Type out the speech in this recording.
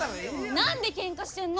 何でケンカしてんの？